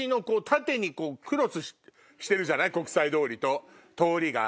縦にクロスしてるじゃない国際通りと通りが。